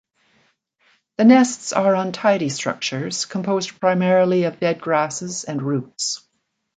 The nests are untidy structures composed primarily of dead grasses and roots.